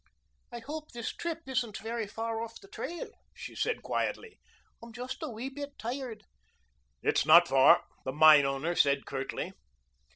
"I hope this trip isn't very far off the trail," she said quietly. "I'm just a wee bit tired." "It's not far," the mine owner said curtly.